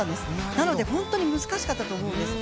なので本当に難しかったと思うんです。